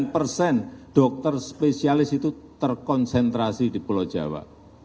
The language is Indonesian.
lima puluh sembilan persen dokter spesialis itu terkonsentrasi di pulau jawa